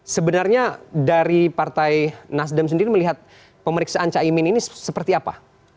sebenarnya dari partai nasdem sendiri melihat pemeriksaan caimin ini seperti apa